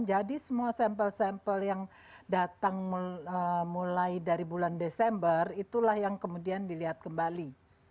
jadi semua sampel sampel yang datang mulai dari bulan desember itulah yang kemudian dilihat kembali